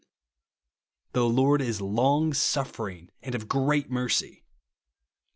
''The Lord is long si ffering and of great mercy," (Num.